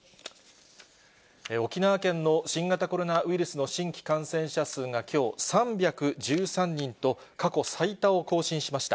沖縄県の新型コロナウイルスの新規感染者数がきょう、３１３人と、過去最多を更新しました。